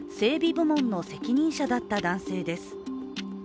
部門の責任者だった男性です。